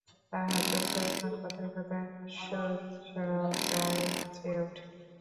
তাহার চক্ষু এখন কথায় কথায় হাস্যচ্ছটায় নাচিয়া উঠে।